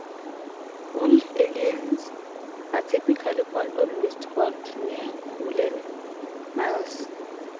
Wool aliens are typically found on waste ground near woollen mills.